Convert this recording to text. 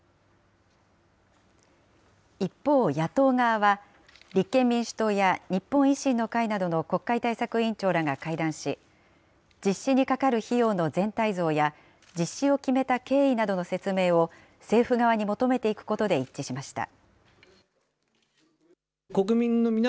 一方、野党側は、立憲民主党や日本維新の会などの国会対策委員長らが会談し、実施にかかる費用の全体像や、実施を決めた経緯などの説明を政府側に求めていくことで一致しました。